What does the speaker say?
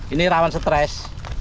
ini rawan stres